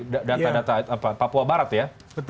data data papua barat ya